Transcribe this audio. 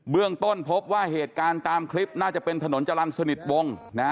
เรื่องต้นพบว่าเหตุการณ์ตามคลิปน่าจะเป็นถนนจรรย์สนิทวง